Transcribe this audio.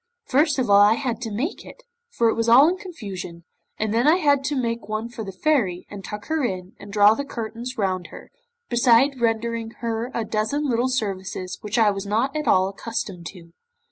First of all I had to make it, for it was all in confusion, and then I had to make one for the Fairy, and tuck her in, and draw the curtains round her, beside rendering her a dozen little services which I was not at all accustomed to.